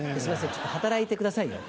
ちょっと働いてくださいよ。